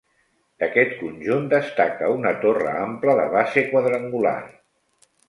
D'aquest conjunt destaca una torre ampla de base quadrangular.